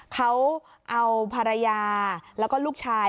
เขาเอาภรรยาแล้วก็ลูกชาย